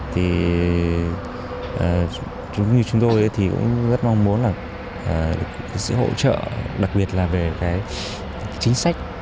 thì chúng tôi thì cũng rất mong muốn là sẽ hỗ trợ đặc biệt là về cái chính sách